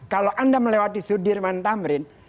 kalau anda melewati sudirman tamrin